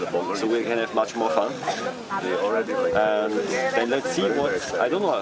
lalu kita sharing kita workshop mengenai alat dan safety nya harus seperti apa